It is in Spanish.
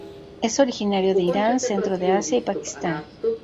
Es originario de Irán, centro de Asia y Pakistán.